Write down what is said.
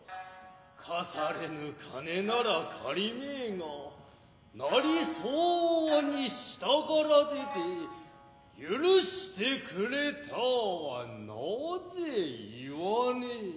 貸されぬ金なら借りめえが形り相応に下から出て許してくれとはなぜ云わねえ。